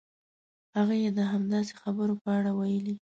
هغه یې د همداسې خبرو په اړه ویلي.